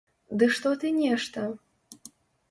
Ды што ты нешта?